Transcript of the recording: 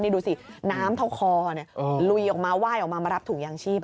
ดูสิน้ำเท่าคอลุยออกมาไหว้ออกมามารับถุงยางชีพ